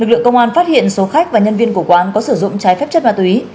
lực lượng công an phát hiện số khách và nhân viên của quán có sử dụng trái phép chất ma túy